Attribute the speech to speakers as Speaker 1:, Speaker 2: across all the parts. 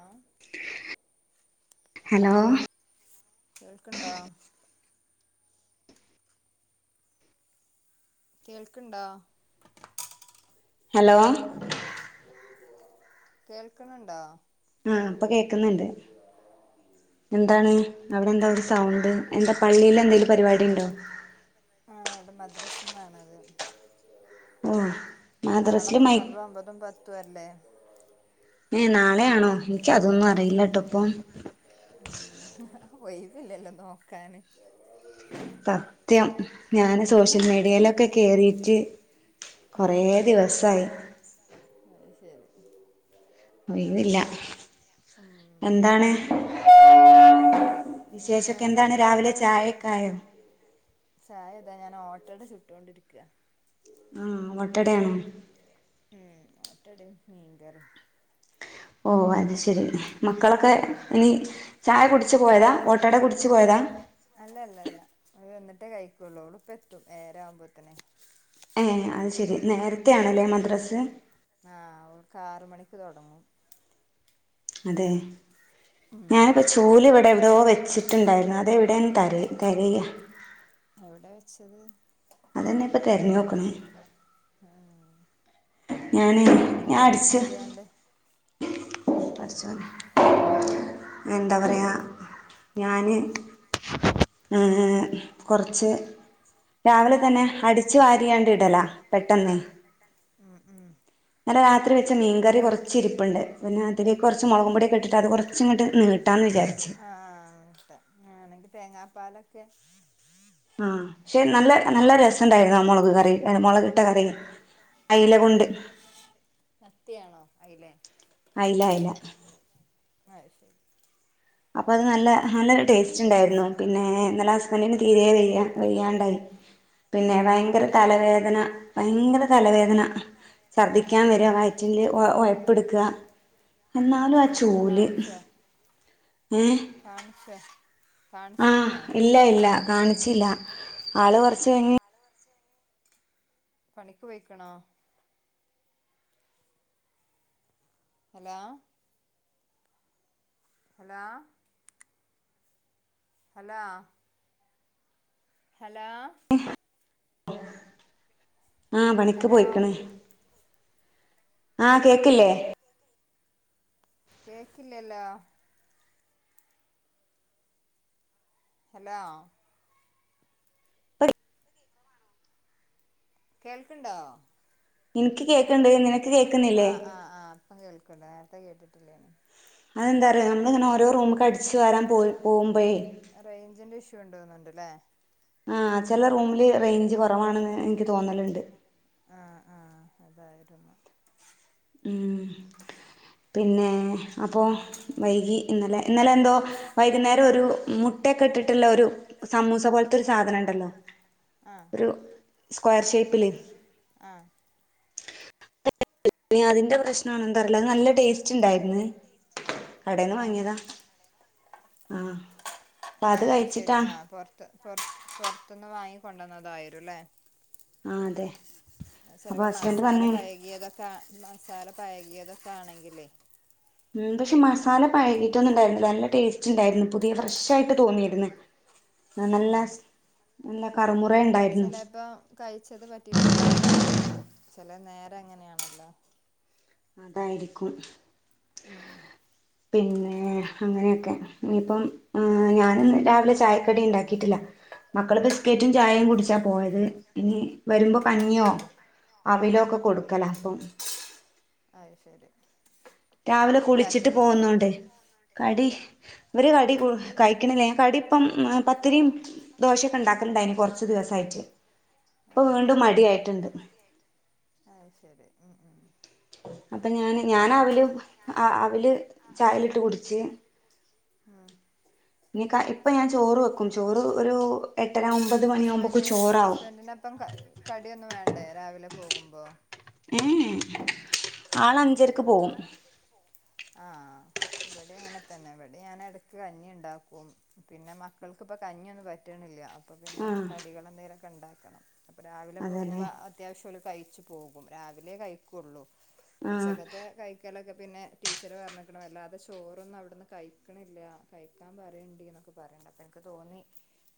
Speaker 1: ആഹ്
Speaker 2: hello
Speaker 1: കേൾക്ക്ണ്ടോ? കേൾക്ക്ണ്ടോ?
Speaker 2: Hello
Speaker 1: കേൾക്ക്ണ് ണ്ടോ?
Speaker 2: ആഹ് ഇപ്പ കേക്ക്ന്ന്ണ്ട് എന്താണ് അവ്ടെന്താ ഒര് സൗണ്ട് എന്താ പള്ളിലെന്തേലും പരിപാടിണ്ടോ?
Speaker 1: ആഹ് അവ്ടെ മദ്രസ്ന്നാണത്
Speaker 2: ഓ
Speaker 1: നാളെ
Speaker 2: മദ്രസില് മൈ
Speaker 1: മുഹറം ഒമ്പതും പത്തും അല്ലേ
Speaker 2: ഏഹ് നാളെയാണോ ഇൻക്കതൊന്നും അറീലട്ടോപ്പം
Speaker 1: ഒയ് വില്ലല്ലൊ നോക്കാന്
Speaker 2: സത്യം ഞാന് സോഷ്യൽ മീഡിയേലൊക്കെ കേറീട്ട്
Speaker 1: ആ
Speaker 2: കൊറേ ദിവസായി
Speaker 1: [inaudible] അത് ശെരി
Speaker 2: ഒയ് വില്ല എന്താണ് വിശേഷൊക്കെന്താണ് രാവിലെ
Speaker 1: വേറെന്താണ്
Speaker 2: ചായൊക്കായോ
Speaker 1: ചായതാ ഞാനോട്ടട ചുട്ടോണ്ടിരിക്ക
Speaker 2: ആ ഓട്ടടയാണോ
Speaker 1: ഉം ഓട്ടടയും മീൻകറി
Speaker 2: ഓ അത് ശെരിന്നെ മക്കളൊക്കെ ഇനി ചായ കുടിച്ച് പോയതാ ഓട്ടട കുടിച്ച് പോയതാ
Speaker 1: അല്ലല്ല ല്ല അത് വന്ന്ട്ടെ കഴിക്കൊള്ളൂ ഓള് ഇപ്പെത്തും ഏഴരാവുമ്പോത്തിന്
Speaker 2: ഏ അത് ശെരി നേര്ത്തെണ്ല്ലേ മദ്രസ്
Speaker 1: ആ ഓക്ക് ആറ്മണിക്ക് തൊടങ്ങും
Speaker 2: അതെ
Speaker 1: ഉം
Speaker 2: ഞാനിപ്പോ ചൂലവടെട് ടോ വെച്ചിട്ടുണ്ടായിരുന്നു അതെവിടെന്ന് തെര തെരയ്യ
Speaker 1: എവടെ വെച്ചത്
Speaker 2: അതെന്നെ പ്പ തെരഞ്ഞോക്ക്‌ണത്
Speaker 1: ആ
Speaker 2: ഞാന് ഞാൻ
Speaker 1: ഇന്നലെ
Speaker 2: അടിച്ച്
Speaker 1: അടിച്യാര്യാണ്ട്
Speaker 2: എന്താ പറയ ഞാന് ഏ കൊർച്ച് രാവിലെ തന്നെ അടിച്ച് വാരിയണ്ട്ടലാ പെട്ടെന്ന്
Speaker 1: ഉം ഉം
Speaker 2: ഇന്നലെ രാത്രി വെച്ച മീൻ കറി കൊർച്ച് ഇരിപ്പ്ണ്ട് പിന്നെ തില് കൊർച്ച് മൊളകും പൊടിയൊക്കെ ഇട്ടിട്ട് അത് കൊർച്ച്ങ്ങട്ട് നീട്ടാന്ന് വിചാരിച്ച്
Speaker 1: ആ നീട്ടാ ല്ലങ്കി തേങ്ങാപ്പാലൊക്കെ
Speaker 2: ആ ഷേ നല്ല നല്ല രസണ്ടായിരുന്നു ആ മൊളക് കറി മൊളക് ട്ട കറി അയ്ല കൊണ്ട്
Speaker 1: മത്തിയാണോ അയ്ലെ
Speaker 2: അയ്ല അയ്ല
Speaker 1: അത് ശെരി
Speaker 2: അപ്പൊ അത് നല്ല നല്ലൊരു ടേസ്റ്റ് ണ്ടായിരുന്നു പിന്നെ ഇന്നലെ ഹസ്ബന്റിന് തീരെ വെയ്യ വെയ്യാണ്ടായി പിന്നെ ഭയങ്കര
Speaker 1: അതെന്തേ
Speaker 2: തലവേദന ഭയങ്കര തലവേദന ചർദ്ദിക്കാൻ വെരാ
Speaker 1: തന്നെ
Speaker 2: വയറ്റില് ഒയപ്പ്ട്ക്ക
Speaker 1: ആഹ്
Speaker 2: എന്നാലും ആ
Speaker 1: ആഹ് എന്നിട്ട്
Speaker 2: ചൂല്
Speaker 1: കാണിച്ചോ
Speaker 2: ഏ
Speaker 1: കാണിച്ചോ
Speaker 2: ആഹ്
Speaker 1: കാണിച്ചീനിയോ
Speaker 2: ഇല്ല ഇല്ല കാണിച്ചില്ല ആള്
Speaker 1: ആഹ്
Speaker 2: കൊർച്ചയ്ഞ്
Speaker 1: പണിക്ക് പൊയ്ക്ക്ണോ ഹലോ ഹലോ ഹലോ ഹലോ
Speaker 2: ആ പണിക്ക്
Speaker 1: ഹലോ
Speaker 2: പോയിക്ക്‌ണ് ആ കേക്ക്‌ല്ലേ
Speaker 1: കേക്കില്ലല്ലോ ഹലോ
Speaker 2: [unintelligible]
Speaker 1: കേൾക്ക്ണ്ടോ?
Speaker 2: ഇനിക്ക് കേക്കണ്ട് നിനക്ക് കേക്കുന്നില്ലേ
Speaker 1: ആഹ് ആഹ് ആഹ് ഇപ്പൊ കേൾക്ക്ണ്ട നേരത്തെ കേട്ടിട്ടില്ലേനു
Speaker 2: അതെന്താറിയോ നമ്മളിങ്ങനെ ഓരോ റൂമൊക്ക് അടിച്ചച്ച് വരാൻ പോ പോകുമ്പോഴേ
Speaker 1: റേഞ്ചിൻ്റെ ഇഷ്യൂ ഉണ്ടോന്നുന്നുണ്ട് ലെ
Speaker 2: ആഹ് ചില റൂമില് റേഞ്ച് കുറവാണെന്ന് എനിക്ക് തോന്നലുണ്ട്
Speaker 1: ആഹ് ആഹ് അതായിരുന്നു
Speaker 2: ഉം പിന്നെ അപ്പൊ വൈകി ഇന്നലെ ഇന്നലെ എന്തോ വൈകുന്നേരം ഒരു മുട്ടയൊക്കെ ഇട്ടിട്ടുള്ള ഒരു സമൂസപോൽത്തൊരു സാധനംണ്ടല്ലോ
Speaker 1: ആഹ്
Speaker 2: ഒരു സ്ക്വയർ ഷേപ്പില്?
Speaker 1: ആഹ്
Speaker 2: ഇനി അതിന്റെ പ്രശ് നാണോ ന്താ അറീല അത് ന്നല്ലെ ടേസ്റ്റ് ഇണ്ടായിരുന്നു, കടെന്ന്
Speaker 1: ആഹ്
Speaker 2: വാങ്ങിയതാ. ആഹ് അപ്പത് കഴ്‌ച്ചിട്ടാ.
Speaker 1: ട്ട് പൊർ പോർത്ത്ന്ന് വാങ്ങി കൊണ്ടന്നതായിരുലെ?
Speaker 2: ആഹ് അതെ
Speaker 1: അത്‌
Speaker 2: അപ്പൊ
Speaker 1: ചെലെപ്പോ
Speaker 2: ഹസ്ബൻഡ്
Speaker 1: മസാല
Speaker 2: പറഞ്ഞു
Speaker 1: പഴകിയതൊക്കെ മസാലപഴകിയതൊക്കെ ആണെങ്കിലേ
Speaker 2: ഉംപശെ പക്ഷെ മസാല പഴകിയിട്ടൊന്നുണ്ടായിരുന്നില്ല, നല്ലെ ടേസ്റ്റ് ഇണ്ടായിരുന്നു പുതിയ ഫ്രഷ് ആയിട്ട് തോന്നിയിരുന്നു. ആഹ് ന്നല്ലെസ്, ന്നല്ലെ കറുമുറ ആയി ഇണ്ടായി
Speaker 1: ചെലെപ്പം കഴിച്ചത് പറ്റീട്ടുണ്ടാവില വയറിന് ചെലെന്നേരം അങ്ങനെയാണല്ലോ?
Speaker 2: അതായിരിക്കും.
Speaker 1: ആഹ്
Speaker 2: പിന്നെ അങ്ങനെയൊക്കെ ഇനിപ്പം ഞാന് ഇന്ന് രാവിലെ ചായക്ക കടി ഇണ്ടാക്കിയിട്ടില്ല മക്കള് ബിസ്ക്കേറ്റും ചായിം കുടിച്ച പോയത് ഇനി വെരുമ്പോ കഞ്ഞിയോ?
Speaker 1: ഉം
Speaker 2: അവിലോ
Speaker 1: അഹ്,
Speaker 2: ഒക്കെ
Speaker 1: ആ
Speaker 2: കൊടുക്കല
Speaker 1: പിന്നെ
Speaker 2: അപ്പം
Speaker 1: അയ് ശെരി
Speaker 2: രാവിലെ കുളിച്ചിട്ട് പോകുന്നോണ്ട് കടി ഇവര് കടി കു കഴ്‌ക്ക്ണ് വേ കടി ഇപ്പം എ പത്തിരിം ദോഷയൊക്കെ ഇണ്ടാക്ക്ണ്ടയ്നി കൊർച് ദിവസായിട്ട്. ഇപ്പ
Speaker 1: ആഹ്
Speaker 2: വീണ്ടും മടിയായിട്ട്ണ്ട്.
Speaker 1: അഹ് ഷെരി ഉം, ഉം
Speaker 2: അപ്പ ഞാന് ഞാനവില് അവില് അ ചായേലിട്ട് കുടിച്ച്
Speaker 1: ആഹ്
Speaker 2: ഇഞ്ഞിക ഇപ്പഞാൻ ചോറ് വെക്കും ചോറ് ഒരു എട്ടര
Speaker 1: ഹസ്
Speaker 2: ഒമ്പത് മണിയാകുമ്പോക്ക്
Speaker 1: ഹസ്ബെന്റിന്
Speaker 2: ചോറാവും
Speaker 1: ഹസ്ബെന്റിനൊപ്പം കടിയൊന്നും വേണ്ടേ രാവിലെ പോകുമ്പോ?
Speaker 2: ഏഹെ
Speaker 1: അത്
Speaker 2: ആളഞ്ചരക്ക്
Speaker 1: ശരി ഉം
Speaker 2: പോവും.
Speaker 1: ആഹ് ഇവടിം അങ്ങനെതെന്നെ ഇവടി ഞാൻ എടക്ക് കഞ്ഞി ഇണ്ടാക്കും. പിന്നെ മക്കൾക്കിപ്പോ കഞ്ഞിയൊന്നും പറ്റ്ണില്ല. അപ്പോപിന്നെ
Speaker 2: ആ
Speaker 1: കടികളെന്തെങ്കിലൊക്കെ ഇണ്ടാക്കണം അപ്പോരാവിലെ
Speaker 2: അതെല്ലേ
Speaker 1: പോകുമ്പോ അത് അത്യാവശ്യം ഓല് കഴ്‌ച്ച് പോകും രാവിലെ കഴിക്കുള്ളൂ
Speaker 2: ആ
Speaker 1: ഉച്ചക്കത്തെ കഴ്‌ ഴ്‌ക്കലൊക്കെ പിന്നെ ടീച്ചറ് പറഞ്ക്ക്ണ് വല്ലാതെ ചോറൊന്നും അവിടുന്ന് കഴിക്ക്ണില്ല കഴിക്കാൻ പറയോണ്ടിന്നൊക്കെ പറണെ അപ്പൻക്ക് തോന്നി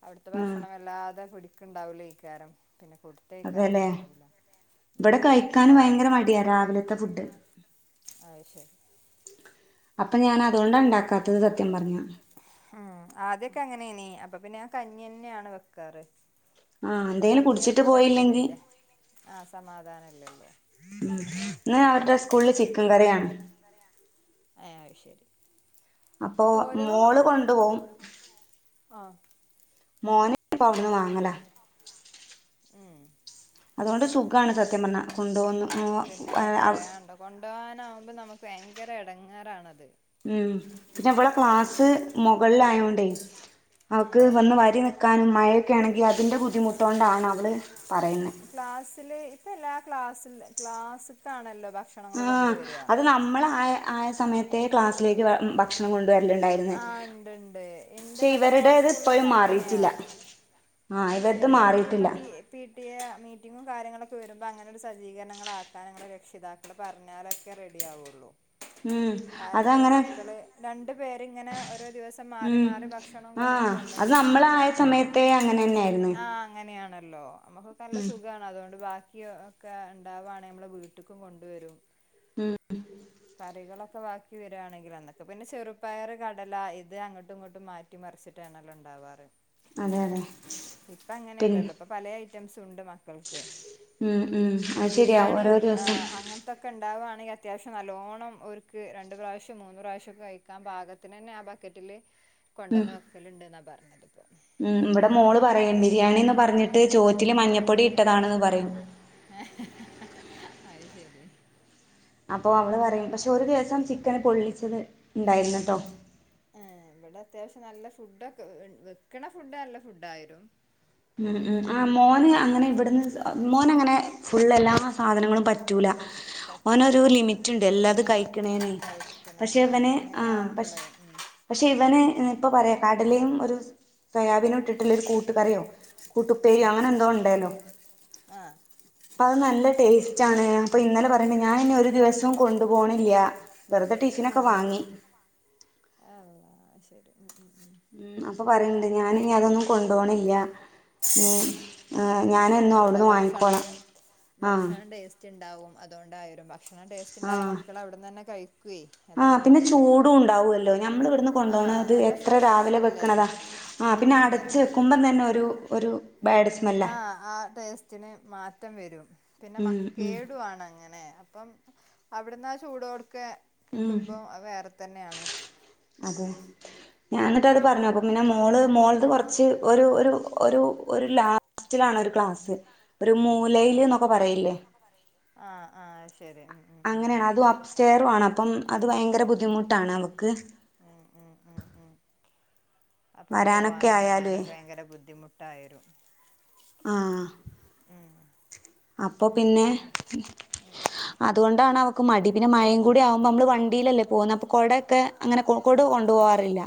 Speaker 1: അവിട്ത്തെ
Speaker 2: ആ
Speaker 1: ഭക്ഷണം വല്ലാതെ പിടിക്ക്ണ്ടാവുലയ്ക്കാരിം പിന്നെ പുട്
Speaker 2: അതെല്ലേ
Speaker 1: ത്തേക്കാനൊന്നും ആവൂല ഉം അപ്പോപിന്നെ രാവ്
Speaker 2: ത്തിയ രാവിലത്തെ ഫുഡ്‌
Speaker 1: അഹ് ശെരി.
Speaker 2: അപ്പഞാൻ അതുകൊണ്ടാ ഇണ്ടാക്കാതെ സത്യംപറഞ്ഞ.
Speaker 1: ഉം ആദ്യൊക്കെ അങ്ങനെനി അപ്പൊപിന്നെ ഞാൻ കഞ്ഞിന്നെയാണ് വെക്കാറ്
Speaker 2: ആ എന്തെങ്കിലും കുടിച്ചിട്ട്
Speaker 1: ഇപ്പൊകഞ്ഞിഓര്ക്ക്
Speaker 2: പോയില്ലെങ്കി
Speaker 1: പറ്റ്ണില്ല ആഹ് സമാധാനല്ലല്ലോ?
Speaker 2: ഉം ഇന്നലെആവെട്ടെ സ്കൂളില് ചിക്കെൻ കറിയാണ്.
Speaker 1: ഏഹ് അഹ് ശെരി.
Speaker 2: അപ്പോ മോള് കൊണ്ട്പോവും.
Speaker 1: ആഹ്
Speaker 2: മോന് ഇപ്പഔട്ന്ന് വാങ്ങല.
Speaker 1: ഏഹ്
Speaker 2: അതുകൊണ്ട് സുഖാണ് സത്യം പർഞ്ഞ കൊണ്ട് വന്ന് ന്നോ വു ഏ
Speaker 1: കൊണ്ടോനാവുമ്പോ ന്നമുക്ക് ഭയങ്കര എടങ്ങേറാണത്
Speaker 2: ഉം പിന്നേ ഇവളെ ക്ലാസ്സ് മുകളിലായോണ്ടേ
Speaker 1: ഉം
Speaker 2: അവക്ക് വന്ന് വരിന്നി ക്കാന് മഴയൊക്കെ ആണെങ്കി അതിൻ്റെ ബുദ്ധിമുട്ടുകൊണ്ടാണ് അവള് പറയുന്നെ.
Speaker 1: ക്ലാസ്സില് ഇപ്പ എല്ലാ ക്ലാസ്സ് ക്ലാസ്സത്താണല്ലോ ഭക്ഷ്
Speaker 2: ആഹ് അത് ന്നമ്മളായ ആയ സമയത്തെ ക്ലാസ്സിലേക്ക് ഭക്
Speaker 1: ആഹ് ഇണ്ട്ണ്ട്
Speaker 2: പക്ഷെ
Speaker 1: എന്റെവിടെ മോള
Speaker 2: ഇവരുടേത്
Speaker 1: സ്കൂള്
Speaker 2: ഇപ്പോഴും
Speaker 1: ലൊക്കങ്ങനെയാ
Speaker 2: മാറിയിട്ടില്ല ആഹ്
Speaker 1: അഹ്
Speaker 2: ഇവരത്
Speaker 1: ശെരി അഹ്ഞ്ഞ്പ്പ
Speaker 2: മാറിയിട്ടില്ല
Speaker 1: പി എ പി ടി എമീറ്റിങ്ങും കാര്യങ്ങളൊക്കെ വരുമ്പോ അങ്ങനോരു സജ്ജീകരണങ്ങളാക്കാൻ ഞങ്ങള് രക്ഷിതാ മ്പടെ പറഞ്ഞാലൊക്കെ റെഡി ആവുള്ളൂ
Speaker 2: ഉം
Speaker 1: കാരണം ഈ
Speaker 2: അതങ്ങനെ
Speaker 1: മക്കള് രണ്ടു പേര്ങ്ങനെ ഓരോ ദിവസം മാറി
Speaker 2: ഉം
Speaker 1: മാറി ഭക്ഷണവും കറിയും കൊണ്ട് കൊണ്ടര
Speaker 2: മേത്തെ അങ്ങന
Speaker 1: ആഹ് അങ്ങനെയാണല്ലോ നമ്മക്കൊക്കെ നല്ല
Speaker 2: ഉം
Speaker 1: സുഖാണ് അതുകൊണ്ട് ബാക്കി ഒക്കെ ണ്ട വാണെൽ മ്മളെ വീട്ട്ക്കും കൊണ്ടുവരും
Speaker 2: ഉം ഉം
Speaker 1: കറികളൊക്കെ ബാക്കി വരാണെങ്കി അതൊക്കെ പിന്നെ ചെറുപ്പയർ കടല ഇത് അങ്ങോട്ടും ഇങ്ങോട്ടും മാറ്റി മറിച്ചിട്ടാണല്ലോ ഉണ്ടാവാറ്
Speaker 2: അതെ അതെ
Speaker 1: ഇപ്പ
Speaker 2: പിന്നെ
Speaker 1: അങ്ങനെയല്ലല്ലോ ഇപ്പൊ പല ഐറ്റംസ് ഉണ്ട് മ കൾക്ക്
Speaker 2: ഉം ഉം അത് ശരിയാ ഓരോ
Speaker 1: ബിരിയാണിം
Speaker 2: ദിവസം
Speaker 1: അങ്ങ ഇത്തൊക്കെ ഉണ്ടാവാണെങ്കി അത്യാവശ്യം നല്ലോണ്ണം ഒർക്ക് രണ്ട് പ്രാവശ്യം മൂന്ന് പ്രാവശ്യം കഴിക്കാൻ പാകത്തിനന്നെ ആ ബക്കറ്റില്
Speaker 2: ഉം
Speaker 1: കൊണ്ടന്ന് വെക്കല്ണ്ടെന്നാ പറഞ്ഞത് ഇപ്പോ
Speaker 2: ഉം ഇവിടെ മോള് പറിയ്ണ്ട്
Speaker 1: അന്ന
Speaker 2: ബിരിയാണിന്ന് പറഞ്ഞിട്ട് ചോറ്റില് മഞ്ഞപ്പൊടി ഇട്ടതാണെന്ന് പറയും
Speaker 1: അഹ് ശരി
Speaker 2: അപ്പോ അവള്
Speaker 1: ആ,
Speaker 2: പറയും പക്ഷെ ഒരു ദിവസം ചിക്കന് പൊള്ളിച്ചത് ഉണ്ടായിരുന്നുട്ടോ
Speaker 1: ഏ ഇവിടെ അത്യാവശ്യം നല്ല ഫുഡൊക്കെ വെക്ണ ഫുഡ് നല്ല ഫുഡായിരും
Speaker 2: ഉം ഉം ആ മോന് അങ്ങനെ ഇവിടുന്ന് മോനങ്ങനെ ഫുള് എല്ലാ സാധനങ്ങളും പറ്റൂല ഓനോരു
Speaker 1: പറ്റൂല ആ
Speaker 2: ലിമിറ്റ്ണ്ട് എല്ലാതും കഴിക്ക്ണേനെ
Speaker 1: കഴിക്കണ
Speaker 2: പക്ഷെ ഇവന്
Speaker 1: അങ്ങനെ
Speaker 2: ആ പക്ഷ
Speaker 1: ആവുമ്പോളേ ഉം
Speaker 2: പക്ഷെ ഇവന് ഇപ്പൊ പറയാ കടലിം ഒരു സ്വയാബിനും ഇട്ടിട്ടുള്ള ഒരു കൂട്ടുകറിയോ കൂട്ടുപ്പേരി അങ്ങനെ എന്തോ ഉണ്ടേല്ലോ
Speaker 1: ആഹ്
Speaker 2: അപ്പ അത് നല്ല ടേസ്റ്റ് ആണ് അപ്പൊ ഇന്നലെ പറയ്ണ്ട് ഞാനിനി ഒരു ദിവസവും കൊണ്ടു പോണില്ല വെറുതെ
Speaker 1: ആ
Speaker 2: ടിഫിനൊക്കെ വാങ്ങി
Speaker 1: അള്ളാ ശരി ഉം ഉം ഉം
Speaker 2: അപ്പം പറിണ്ട് ഞാന ഇനി അതൊന്നും കൊണ്ടുപോണില്ല നി ഞാൻ
Speaker 1: അവിടെ ഭക്ഷണം
Speaker 2: ആഹ്
Speaker 1: ഭക്ഷണം വേസ്റ്റ് റ്റ്ണ്ടാവും അതുകൊണ്ടായേരും ഭക്ഷണം ടേസ്റ്റ് ഉണ്ടായ മക്കള് അവിടുന്നന്നെ കൈ
Speaker 2: ആഹ്പിന്നെ ചൂടുണ്ടാവല്ലോ ഞമ്മള് ഇവിടുന്ന്
Speaker 1: ആഹ്
Speaker 2: കൊണ്ടോണത്
Speaker 1: നല്ല
Speaker 2: എത്ര
Speaker 1: ഫ്രഷ്
Speaker 2: രാവിലെ
Speaker 1: അല്ലേ
Speaker 2: വെക്ക്ണതാ ആ പിന്നെ അടച്ച്
Speaker 1: അതന്നെ
Speaker 2: വെക്കുമ്പം തന്നെ ഒരു ഒരു ബാഡ് സ്മെല്ലാ
Speaker 1: ആഹ്ആഹ് ടേസ്റ്റിന് മാറ്റം വരും പിന്നെ
Speaker 2: ഉം
Speaker 1: മക്ക
Speaker 2: ഉം
Speaker 1: കേടുവാണങ്ങനെ അപ്പം അവിടുന്ന് ആ ചൂടോടുക്കെ
Speaker 2: ഉം
Speaker 1: കിട്ടുമ്പം വേറെ തന്നെയാണ്
Speaker 2: അതെ ഞാന്നിട്ട് അത് പറഞ്ഞു അപ്പ പിന്നെ മോള് മോളത് കൊറച്ച് ഒരു ഒരു ഒരു ലാ റ്റ്ലാണ് ഒരു ക്ലാസ് ഒരു മൂലേൽ എന്നൊക്കെ പറയില്ലേ
Speaker 1: ആഹ്ആഹ് ശരി ഉം ഉം
Speaker 2: അങ്ങനെയാണ്
Speaker 1: ഉം
Speaker 2: അതും അപ് സ്റ്റെയറു ആണ് അപ്പം അത് ഭയങ്കര ബുദ്ധിമുട്ടാണ് അവക്ക്
Speaker 1: ഉം ഉം ഉം ഉം അപ്പം
Speaker 2: വരാനൊക്കെ
Speaker 1: പോവാനും
Speaker 2: ആയാലുവേ
Speaker 1: വരാനൊക്കെ ഭയങ്കര ബുദ്ധിമുട്ടായേരും
Speaker 2: ആഹ്
Speaker 1: ഉം
Speaker 2: അപ്പൊ പിന്നെ
Speaker 1: അതുകൊണ്ടാണത് ഉം
Speaker 2: അതുകൊണ്ടാണ് അവക്ക് മടി പിന്നെ മഴം കൂടി ആവുമ്പോ നമ്മള് വണ്ടീലല്ലേ പോകുന്ന അപ്പൊ കൊടയൊക്കെ അങ്ങനെ കൊടുകൊണ്ടു പോവാറില്ല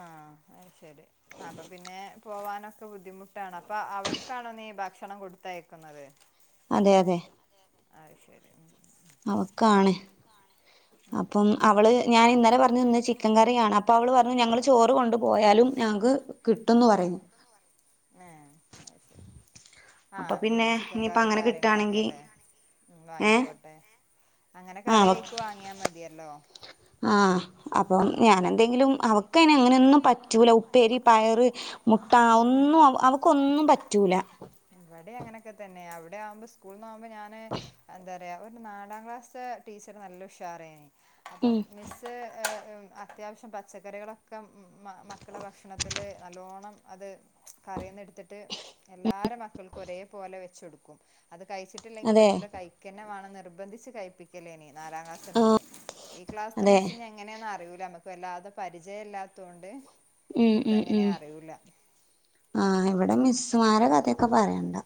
Speaker 1: ആഹ് അഹ് ശരി ആഹ് അപ്പൊ പിന്നെ പോവാനൊക്കെ ബുദ്ധിമുട്ടാണ് അപ്പൊ അവൾക്കാണോ നീ ഭക്ഷണം കൊടുത്തയക്കുന്നത്
Speaker 2: അതെ അതെ
Speaker 1: അത് ശരി ഉം
Speaker 2: അവക്കാണ്
Speaker 1: ഉം
Speaker 2: അപ്പം അവള് ഞാൻ ഇന്നലെ പറഞ്ഞു ഇന്ന് ചിക്കൻ കറിയാണ് അപ്പൊ അവള് പറഞ്ഞു ഞങ്ങള് ചോറ് കൊണ്ട് പോയാലും ഞങ്ങക്ക് കിട്ടും എന്ന് പറയുന്നു
Speaker 1: ന്നേ ആഹ് അത് ശരി
Speaker 2: അപ്പൊ
Speaker 1: ആഹ് ഉം
Speaker 2: പിന്നെ
Speaker 1: ചിക്കൻ
Speaker 2: ഇനിയിപ്പ
Speaker 1: കറിയും
Speaker 2: അങ്ങനെ
Speaker 1: കാര്യങ്ങളൊക്കെ
Speaker 2: കിട്ടാണെങ്കി
Speaker 1: അല്ലേ
Speaker 2: ഏ
Speaker 1: വാങ്ങിക്കോട്ടെ അങ്ങനെ കറി ആയിക്ക് വാങ്ങിയാൽ മതിയല്ലോ
Speaker 2: ആഹ് അപ്പം ഞാനെന്തെങ്കിലും അവക്ക് അയ്ന്നെ അങ്ങനെന്നും പറ്റൂല ഉപ്പേരി പയറ് മുട്ട
Speaker 1: ഉം
Speaker 2: ഒന്നും അവക്കൊന്നും പറ്റൂല
Speaker 1: ഇവിടെയും അങ്ങനെയൊക്കെ തന്നെ അവിടെ ആവുമ്പോ സ്കൂളന്ന് പോകുമ്പോ ഞാന് എന്താ പറയാ പറയാ ഒരു നാലാം ക്ലാസ് ടീച്ചർ നല്ല ഉഷാറാ യ്ന് അപ്പം
Speaker 2: ഉം
Speaker 1: മിസ് കുറച്ച് അത്യാവശ്യം പച്ചക്കറികളൊക്കെ മക്കളെ ഭക്ഷണത്തിൽ നല്ലോണം അത് കറിയുന്ന് എടുത്തിട്ട് എല്ലാവരെ മക്കൾക്കും ഒരേപോലെ വെച്ച് വെച്ച് കൊടുക്കും അത് കഴിച്ചിട്ടില്ലെങ്കിൽ
Speaker 2: അതെ
Speaker 1: പറ്റൂല കഴിക്ക തന്നെ വേണം നിർബന്ധിച്ച് കഴിപ്പിക്കലാണ് ഇനി നാലാം ക്ലാ ഈ ക്ലാസ്
Speaker 2: അതെ
Speaker 1: മിസ് എങ്ങനെയാന്ന് അറിയൂല നമ്മക്ക് വല്ലാതെ പരിചയം ഇല്ലാത്തൊണ്ട്
Speaker 2: ഉം ഉം ഉം ആഹ് ഇവിടെ
Speaker 1: അതാണ്
Speaker 2: മിസ്സുമാരെ കഥയൊക്കെ പറയണ്ട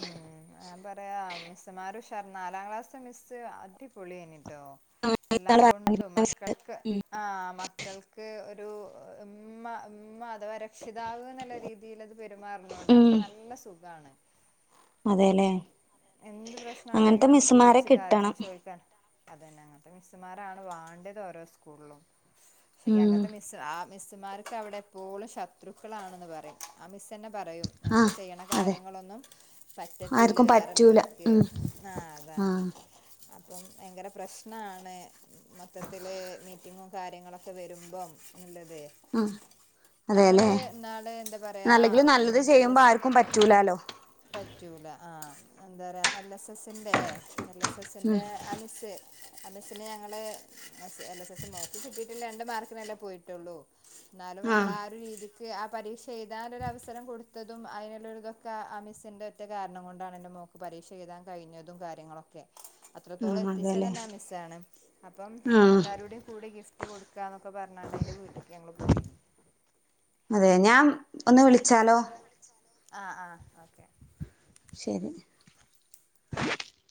Speaker 1: ഉം ഉം ഞാൻ എന്താ പറയാ മിസ്സ് മാര് ഉഷാർ നാലാം ക്ലാസ് മിസ്സ് അടിപൊളി ആന്നിട്ടോ എല്ലാം കൊണ്ടും മക്കൾക്ക് ആഹ് മക്കൾക്ക് ഒരു ഉമ്മ ഉമ്മാ ഒര് രക്ഷിതാവ് എന്ന രീതിൽ അത് പെരുമാറണോണ്ട്
Speaker 2: ഉം
Speaker 1: നമുക്ക് നല്ല സുഖമാണ്
Speaker 2: അതെല്ലേ
Speaker 1: അപ്പം എന്ത് പ്രശ്നം
Speaker 2: അങ്ങനത്തെ
Speaker 1: ഉണ്ടെങ്കിലും നമ്മുക്ക്
Speaker 2: മിസ്സുമാരെ
Speaker 1: വിളിച്ച് കാര്യങ്ങൾ
Speaker 2: കിട്ടണം
Speaker 1: ചോദിക്കാൻ അത് തന്നെ അങ്ങനത്തെ മിസ്സുമാരാണ് വാണ്ടത് ഓരോ സ്കൂളിലും പക്ഷെ
Speaker 2: ഉം
Speaker 1: അങ്ങത്തെ മി മിസ്സ് ആഹ് മിസ്സുമാർക്ക് അവിടെ എപ്പോഴും ശത്രുക്കളാണെന്ന് പറയും ആ മിസ്സ് തന്നെ പറയും
Speaker 2: ആ
Speaker 1: നമ്മള് ചെയ്യണ
Speaker 2: അതെ
Speaker 1: കാര്യങ്ങളൊന്നും പറ്റത്തില്ല
Speaker 2: ആർക്കും
Speaker 1: വേറെ
Speaker 2: പറ്റൂല
Speaker 1: ഉള്ളോർക്ക്
Speaker 2: ഉം
Speaker 1: ആഹ് അതാ
Speaker 2: ആഹ്
Speaker 1: അപ്പം ഭയങ്കര പ്രശ്നാണ് മൊത്തത്തില് മീറ്റിങ്ങും കാര്യങ്ങളൊക്കെ വരുമ്പം നല്ലത്
Speaker 2: ആഹ്
Speaker 1: ഞങ്ങള്
Speaker 2: അതെല്ലേ
Speaker 1: ഇന്നാള് എന്താ പറയാ
Speaker 2: അല്ലെങ്കിലും നല്ലത് ചെയ്യുമ്പോ
Speaker 1: എലസ്
Speaker 2: ആർക്കും പറ്റൂലാലോ
Speaker 1: പറ്റൂല ആഹ് എന്താ പറയാ എൽ എസ് എസിന്റെ എൽ എസ്
Speaker 2: ഉം
Speaker 1: എസിൻ്റെ ആ മിസ്സ് ആ മിസ്സിന് ഞങ്ങള് എൽ എസ് എസ് നോക്കി കിട്ടിയിട്ടില്ല രണ്ട് മാർക്ക് അല്ലെ പോയിട്ടുള്ളൂ എന്നാലും നമ്മള
Speaker 2: ആഹ്
Speaker 1: ആ രീതിക്ക് ആ പരീക്ഷ എഴുതാൻഒരു അവസരം കൊടുത്തതും അതിനുള്ള ഇതൊക്കെ ആ മിസ്സ്ൻ്റെ ഒറ്റ കാരണം കൊണ്ടാണ് എൻ്റെ മോക്ക് പരീക്ഷ എഴുതാൻ കഴിഞ്ഞതും കാര്യങ്ങളൊക്കെ അത്രത്തോളം
Speaker 2: ആഹ്
Speaker 1: എത്തിച്ച
Speaker 2: അതെല്ലേ
Speaker 1: തന്നെ ആ മിസ്സാണ് അപ്പം
Speaker 2: ആഹ്
Speaker 1: എല്ലാവരൂടെയും കൂടി ഗിഫ്റ്റ് കൊടുക്കുക എന്നൊക്കെ പറഞ്ഞാണ്ട് അതിൻറെ വീട്ടേക്ക് ഞങ്ങള് പോയിന്
Speaker 2: അതെ ഞാം
Speaker 1: ആ ആഹ് ഓക്കെ
Speaker 2: ശരി